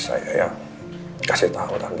saya yang kasih tau tante